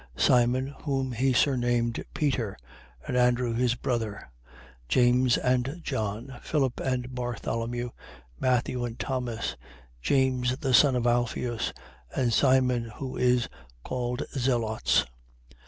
Simon, whom he surnamed Peter, and Andrew his brother, James and John, Philip and Bartholomew, 6:15. Matthew and Thomas, James the son of Alpheus, and Simon who is called Zelotes, 6:16.